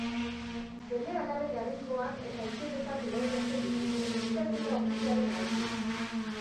Seme-alaben erritmoak eta interesak lehenesten dituzte, ikasketa ofizialen aurretik.